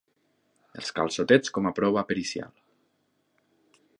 Els calçotets com a prova pericial.